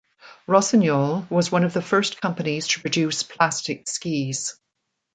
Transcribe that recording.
Rossignol was one of the first companies to produce plastic skis.